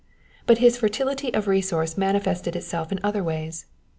But his fertility of resource manifested itself in other ways.